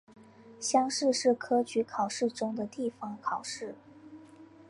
乡试是科举考试中的地方考试。